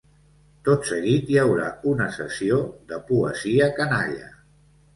Tot seguit hi haurà una sessió de ‘poesia canalla’.